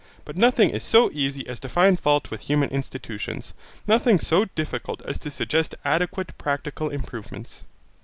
But nothing is so easy as to find fault with human institutions; nothing so difficult as to suggest adequate practical improvements.